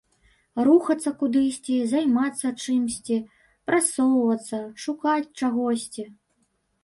Рухацца кудысьці, займацца чымсьці, прасоўвацца, шукаць чагосьці.